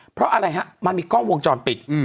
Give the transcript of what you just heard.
เพราะอะไรฮะมันมีกล้องวงจรปิด